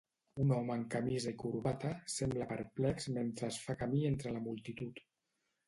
Un home amb camisa i corbata, sembla perplex mentre es fa camí entre la multitud.